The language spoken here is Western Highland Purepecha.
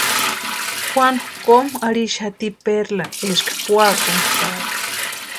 Juanu komu arhixati Perlani eska puakuntʼaaka.